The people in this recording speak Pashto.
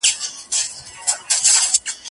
ړوند به څوک له کوهي ژغوري له بینا څخه لار ورکه